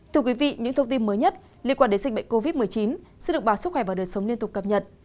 thưa quý vị những thông tin mới nhất liên quan đến dịch bệnh covid một mươi chín sẽ được báo sức khỏe và đời sống liên tục cập nhật